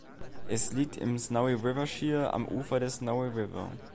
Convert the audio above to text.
Es liegt im Snowy River Shire am Ufer des Snowy River.